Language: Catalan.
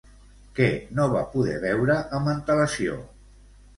Què no va poder veure amb antel·lació?